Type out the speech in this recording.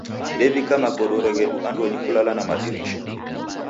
Dew'ika magodoro ghedu andonyi kula na madirisha.